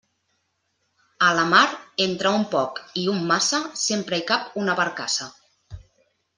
A la mar, entre un poc i un massa, sempre hi cap una barcassa.